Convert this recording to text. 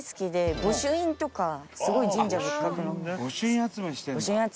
御朱印集めしてるんだ。